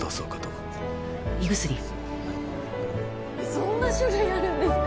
そんな種類あるんですか？